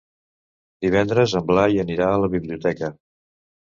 Divendres en Blai anirà a la biblioteca.